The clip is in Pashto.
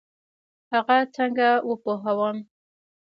هغه څنګه وپوهوم؟